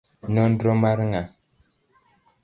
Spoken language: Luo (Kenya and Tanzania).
Nonro mar nga'?